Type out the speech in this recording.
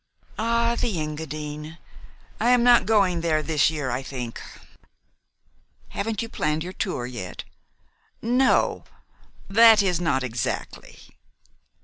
"Ah, the Engadine. I am not going there this year, I think." "Haven't you planned your tour yet?" "No that is, not exactly."